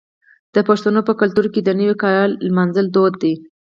د پښتنو په کلتور کې د نوي کال لمانځل دود دی.